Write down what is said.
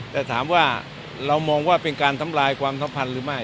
แต่ถามว่าเรามองว่าเป็นการทำลายความสัมพันธ์หรือไม่